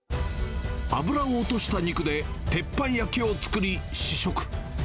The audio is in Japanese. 脂を落とした肉で鉄板焼きを作り、試食。